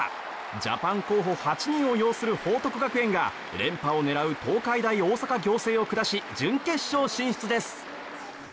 ジャパン候補８人を擁する報徳学園が連覇を狙う東海大大阪仰星を下し準決勝進出です。